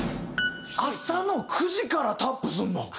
朝の９時からタップするの？